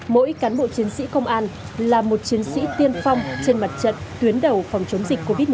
mỗi cán bộ chiến sĩ công an là một chiến sĩ tiên phong trên mặt trận tuyến đầu phòng chống dịch covid một mươi chín